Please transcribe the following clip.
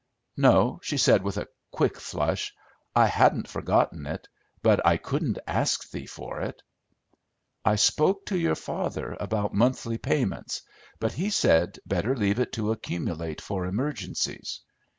"No," she said, with a quick flush, "I hadn't forgotten it, but I couldn't ask thee for it." "I spoke to your father about monthly payments, but he said better leave it to accumulate for emergencies.